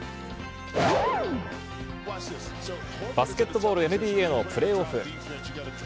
バスケットボール、ＮＢＡのプレーオフ。